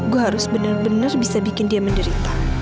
gue harus bener bener bisa bikin dia menderita